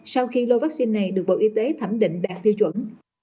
sau khi lô vaccine này được bộ y tế thẩm định đạt tiêu chuẩn